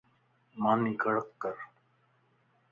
ماني ڪڙڪ ڪر